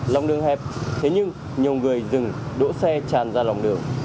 lòng đường hẹp thế nhưng nhiều người dừng đỗ xe tràn ra lòng đường